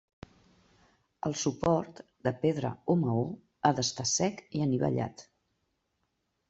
El suport, de pedra o maó, ha d'estar sec i anivellat.